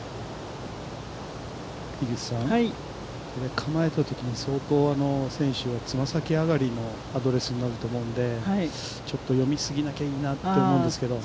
樋口さん、構えたときに、相当、選手はつま先上がりのアドレスになると思うので、ちょっと読み過ぎなきゃいいなと思うんですけども。